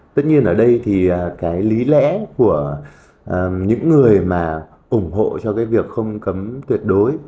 tất nhiên ở đây lý lẽ của những người ủng hộ cho việc không cấm tuyệt đối